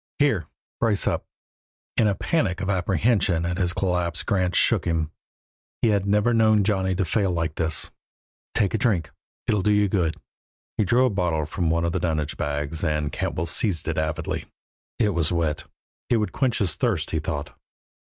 "Here! Brace up!" In a panic of apprehension at this collapse Grant shook him; he had never known Johnny to fail like this. "Take a drink; it'll do you good." He drew a bottle from one of the dunnage bags and Cantwell seized it avidly. It was wet; it would quench his thirst, he thought.